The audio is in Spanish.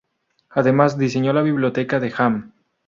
Además, diseñó la biblioteca de Hamm.